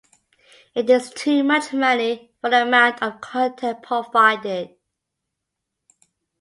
It is too much money for the amount of content provided.